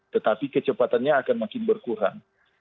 tetapi kecepatannya akan makin berkurang